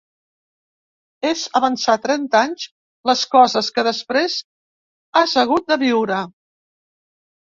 És avançar trenta anys les coses que després has hagut de viure.